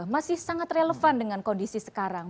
masih sangat relevan dengan kondisi sekarang